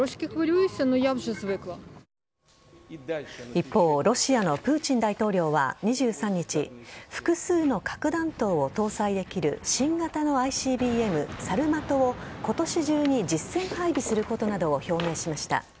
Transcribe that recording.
一方ロシアのプーチン大統領は２３日複数の核弾頭を搭載できる新型のＩＣＢＭ・サルマトを今年中に実戦配備することなどを表明しました。